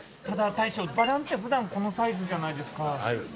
ただ大将バランって普段このサイズじゃないですか。